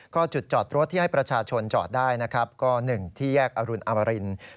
ก็จุดจอดรถที่ให้ประชาชนจอดได้นะครับก็๑ที่แยกอรุณอมริน